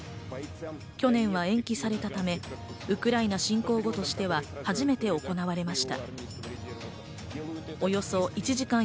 去年は延期されたため、ウクライナ侵攻後としては初めて行われました。